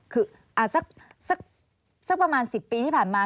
คือสักประมาณ๑๐ปีที่ผ่านมา